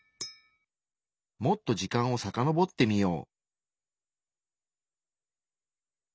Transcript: もっと時間をさかのぼってみよう。